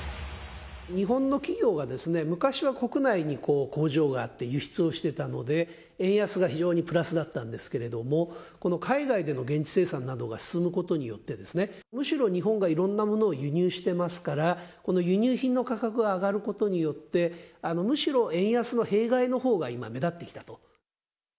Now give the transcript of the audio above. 日本の企業は、昔は国内に工場があって輸出をしてたので、円安が非常にプラスだったんですけれども、海外での現地生産が進むことによって、むしろ日本がいろんなものを輸入してますから、この輸入品の価格が上がることによって、むしろ円安の弊害のほうが今、目立ってきたと。